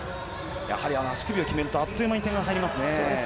やはり足首を決めるとあっという間に点が入りますね。